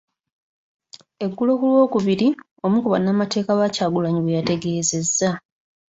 Eggulo ku Lwokubiri, omu ku bannamateeka ba Kyagulanyi bwe yategeezezza.